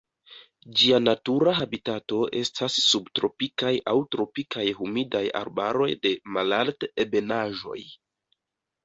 Ĝia natura habitato estas subtropikaj aŭ tropikaj humidaj arbaroj de malalt-ebenaĵoj.